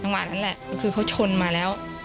รางวาลนั้นแหละคือเขาชนมาแล้ว